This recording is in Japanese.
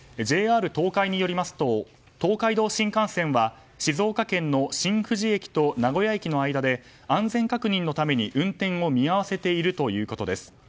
ＪＲ東海によりますと東海道新幹線は静岡県の新富士駅と名古屋駅の間で安全確認のために運転を見合わせているということです。